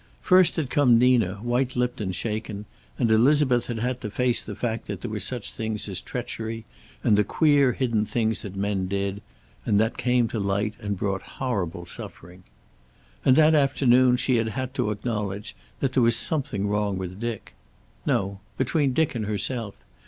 First had come Nina, white lipped and shaken, and Elizabeth had had to face the fact that there were such things as treachery and the queer hidden things that men did, and that came to light and brought horrible suffering. And that afternoon she had had to acknowledge that there was something wrong with Dick. No. Between Dick and herself.